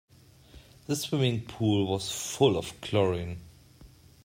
The swimming pool was full of chlorine.